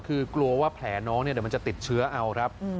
คือกลัวว่าแผลน้องเนี่ยเดี๋ยวมันจะติดเชื้อเอาครับ